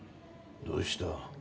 どうした？